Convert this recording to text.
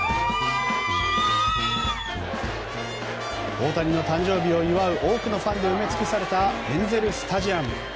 大谷の誕生日を祝う多くのファンで埋め尽くされたエンゼル・スタジアム。